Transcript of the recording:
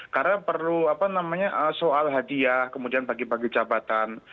karena perlu soal hadiah kemudian bagi bagi jabatan